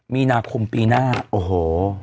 มีนาคมปีหน้าโอ้โห